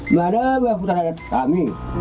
biar ada bahan hutan adat kami